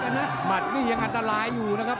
นะหมัดนี่ยังอันตรายอยู่นะครับ